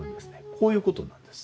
こういうことなんです。